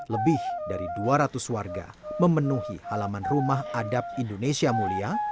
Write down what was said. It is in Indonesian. lebih dari dua ratus warga memenuhi halaman rumah adab indonesia mulia